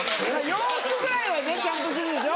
⁉洋服ぐらいはねちゃんとするでしょ。